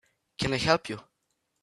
Can I help you?